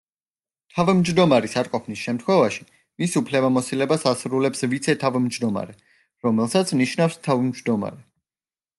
თავმჯდომარის არყოფნის შემთხვევაში, მის უფლებამოსილებას ასრულებს ვიცე–თავმჯდომარე, რომელსაც ნიშნავს თავმჯდომარე.